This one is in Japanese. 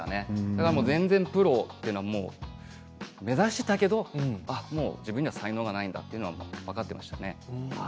だから全然プロというのも目指していたけれど自分が才能がないというのが分かっていましたね。